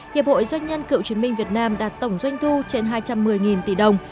hiệp hội doanh nhân cựu chiến binh việt nam đạt tổng doanh thu trên hai trăm một mươi tỷ đồng